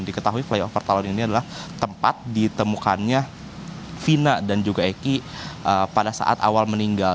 diketahui flyover talon ini adalah tempat ditemukannya vina dan juga eki pada saat awal meninggal